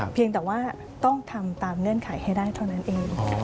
เพียงแต่ว่าต้องทำตามเงื่อนไขให้ได้เท่านั้นเอง